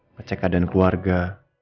ngecek keadaan keluarga